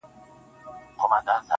دا نو بيا زما بخت دی، غټې سي وړې سترگي,